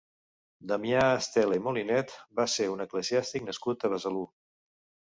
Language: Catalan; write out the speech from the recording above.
Damià Estela i Molinet va ser un eclesiàstic nascut a Besalú.